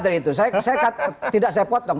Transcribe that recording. dari itu saya tidak saya potong